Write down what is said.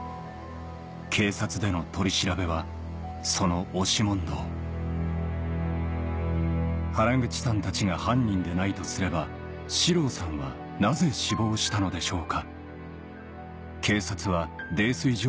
警察での取り調べはその押し問答原口さんたちが犯人でないとすれば四郎さんはなぜ死亡したのでしょうか？